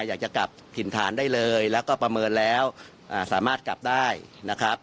อยากจะกลับถิ่นฐานได้เลยแล้วก็ประเมินแล้วสามารถกลับได้นะครับ